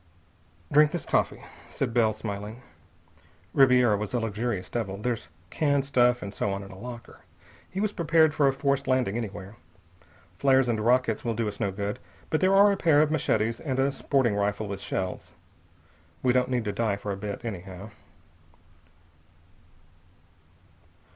"Drink this coffee," said Bell, smiling. "Ribiera was a luxurious devil. There's canned stuff and so on in a locker. He was prepared for a forced landing anywhere. Flares and rockets will do us no good, but there are a pair of machetes and a sporting rifle with shells. We don't need to die for a bit, anyhow."